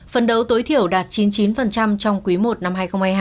phần đấu tối thiểu đạt chín mươi chín trong quý i năm hai nghìn hai mươi hai